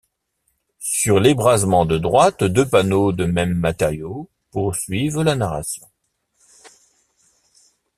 Sur l’ébrasement de droite deux panneaux de même matériau poursuivent la narration.